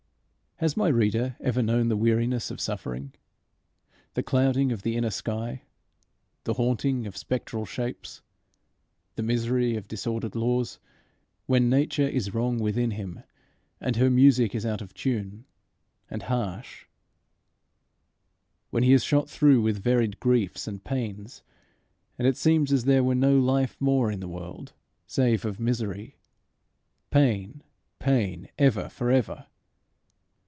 Has my reader ever known the weariness of suffering, the clouding of the inner sky, the haunting of spectral shapes, the misery of disordered laws, when nature is wrong within him, and her music is out of tune and harsh, when he is shot through with varied griefs and pains, and it seems as there were no life more in the world, save of misery "pain, pain ever, for ever"?